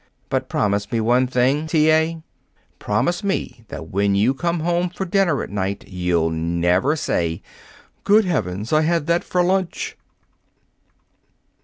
"But promise me one thing, T. A. Promise me that when you come home for dinner at night, you'll never say, 'Good heavens, I had that for lunch!'"